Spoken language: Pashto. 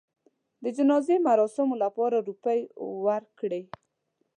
د جنازې مراسمو لپاره روپۍ ورکړې.